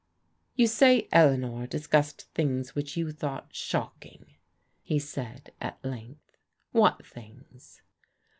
You say Eleanor discussed things which you thought shocking," he said at length; " what things?